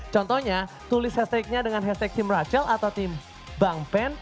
contohnya tulis hashtagnya dengan hashtag team rachel atau tim bang pen